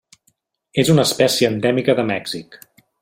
És una espècie endèmica de Mèxic.